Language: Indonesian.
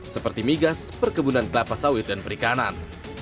seperti migas perkebunan kelapa sawit dan perikanan